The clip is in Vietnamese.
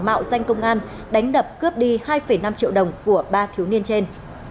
mạo danh công an đánh đập cướp đi hai năm triệu đồng của ba thiếu niên trên